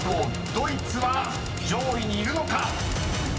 ドイツは上位にいるのか？］